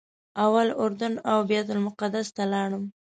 اول اردن او بیت المقدس ته لاړم.